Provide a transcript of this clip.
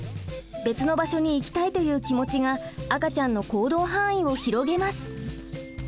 別の場所に行きたいという気持ちが赤ちゃんの行動範囲を広げます。